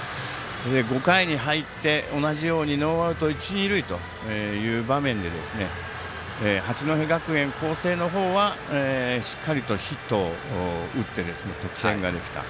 ５回に入って同じようにノーアウト一、二塁という場面で八戸学院光星の方はしっかりとヒットを打って得点ができた。